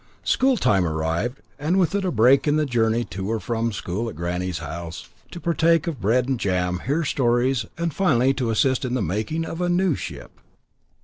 School time arrived, and with it a break in the journey to or from school at granny's house, to partake of bread and jam, hear stories, and, finally, to assist at the making of a new ship.